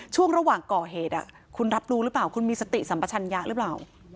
ช่วงระหว่างก่อเหตุคุณรับรู้หรือเปล่าคุณมีสติสัมปชัญญะหรือเปล่า